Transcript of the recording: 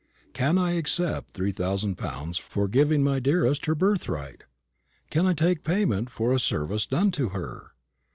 Can I accept three thousand pounds for giving my dearest her birthright? Can I take payment for a service done to her?